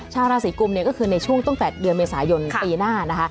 ชาวราศกลุ่มก็คือในช่วงต้นแปดเดือนเมษายนปีหน้านะคะ